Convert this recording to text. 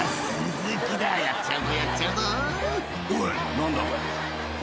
何だ？］